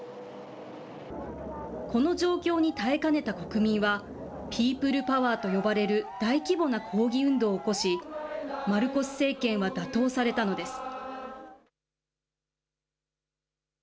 この状況に耐えかねた国民は、ピープルパワーと呼ばれる大規模な抗議運動を起こし、マルコス政権は打倒されたのです。